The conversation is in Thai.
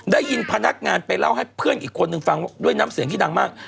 ได้ยินพนักงานไปเล่าให้เพื่อนอีกคนนึงฟังด้วยน้ำเสียงที่ดังมาก